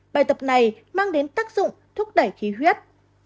bài tập này mang đến tác dụng thúc đẩy khí huyết